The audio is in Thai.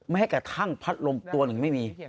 แม้กระทั่งพัดลมตัวหนึ่งไม่มี